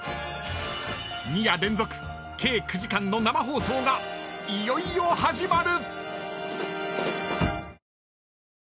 ［２夜連続計９時間の生放送がいよいよ始まる！］